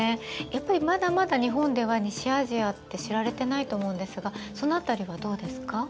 やっぱりまだまだ日本では西アジアって知られてないと思うんですがその辺りはどうですか？